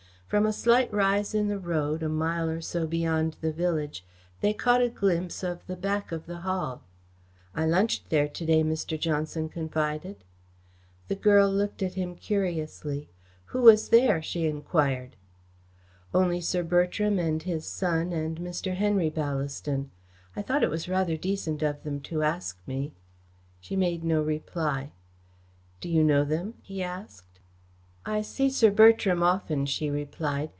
From a slight rise in the road a mile or so beyond the village they caught a glimpse of the back of the Hall. "I lunched there to day," Mr. Johnson confided. The girl looked at him curiously. "Who was there?" she enquired. "Only Sir Bertram and his son and Mr. Henry Ballaston. I thought it was rather decent of them to ask me." She made no reply. "Do you know them?" he asked. "I see Sir Bertram often," she replied.